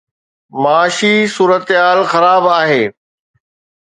معاشي صورتحال خراب آهي.